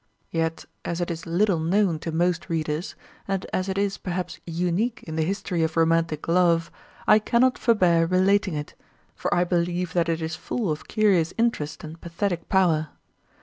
Yet, as it is little known to most readers and as it is perhaps unique in the history of romantic love, I cannot forbear relating it; for I believe that it is full of curious interest and pathetic power.